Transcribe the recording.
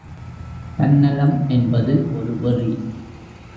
தன்னலம் என்பது ஒரு வெறி.